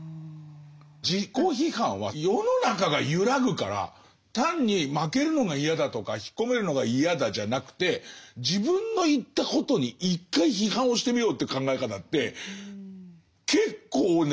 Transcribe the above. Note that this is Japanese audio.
自己批判は世の中が揺らぐから単に負けるのが嫌だとか引っ込めるのが嫌だじゃなくて自分の言ったことに一回批判をしてみようって考え方って結構ね